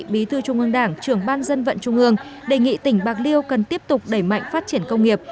bí thư trung ương đảng trưởng ban dân vận trung ương đề nghị tỉnh bạc liêu cần tiếp tục đẩy mạnh phát triển công nghiệp